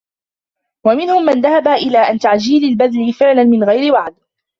وَمِنْهُمْ مَنْ ذَهَبَ إلَى أَنَّ تَعْجِيلَ الْبَذْلِ فِعْلًا مِنْ غَيْرِ وَعْدٍ